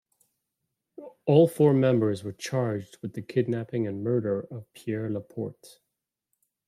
All four members were charged with the kidnapping and murder of Pierre Laporte.